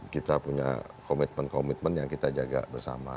kita punya komitmen komitmen yang kita jaga bersama